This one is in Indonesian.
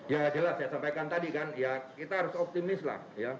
ya jelas saya sampaikan tadi kan ya kita harus optimis lah